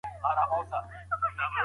املا د ذهني همغږۍ یو غوره تمرین دی.